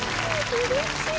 うれしい。